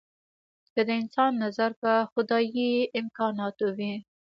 که د انسان نظر په خدايي امکاناتو وي.